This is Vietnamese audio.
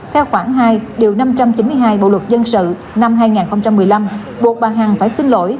theo khoảng hai năm trăm chín mươi hai bộ luật dân sự năm hai nghìn một mươi năm buộc bà hằng phải xin lỗi